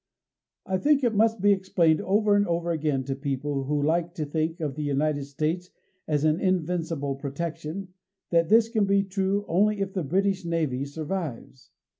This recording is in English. I think it must be explained over and over again to people who like to think of the United States Navy as an invincible protection, that this can be true only if the British Navy survives.